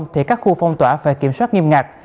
thì các khu phong tỏa phải kiểm soát nghiêm ngặt